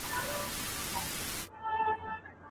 رنگ په رنگ خوږې میوې او خوراکونه.